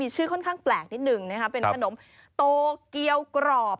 ชื่อค่อนข้างแปลกนิดหนึ่งเป็นขนมโตเกียวกรอบ